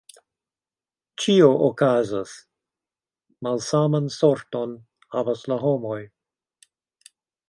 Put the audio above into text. Ĉio okazas, malsaman sorton havas la homoj!